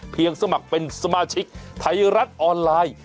เพียงสมัครเป็นสมาชิกไทรัตน์ออนไลน์